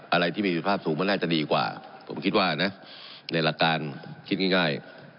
อะไรที่มีสุขภาพสูงมันน่าจะดีกว่าผมคิดว่านะในหลักการคิดง่าย